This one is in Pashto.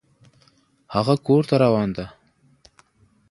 هغه کور ته روان ده